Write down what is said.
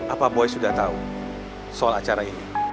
apa boy sudah tahu soal acara ini